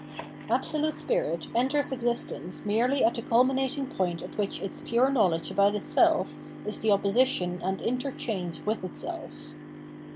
Absolute Spirit enters existence merely at the cul minating point at which its pure knowledge about itself is the opposition and interchange with itself.